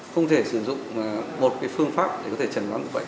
không thể sử dụng một phương pháp để có thể chẩn đoán được bệnh